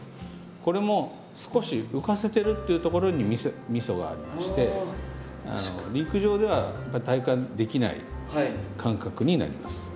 これも少し浮かせてるというところにみそがありまして陸上では体感できない感覚になります。